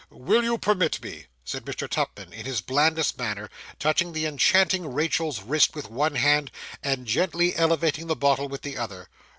'Will you permit me?' said Mr. Tupman, in his blandest manner, touching the enchanting Rachael's wrist with one hand, and gently elevating the bottle with the other.